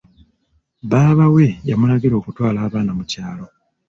Baaba we yamulagira okutwala abaana mu kyalo.